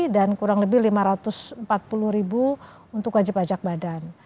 dan kurang lebih lima ratus empat puluh untuk wajib pajak badan